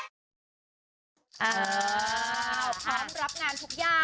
พร้อมรับงานทุกอย่าง